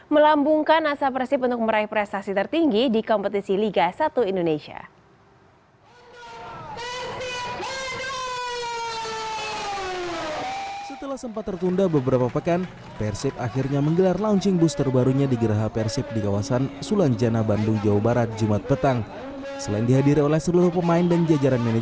melambungkan asa persib untuk meraih prestasi tertinggi di kompetisi liga satu indonesia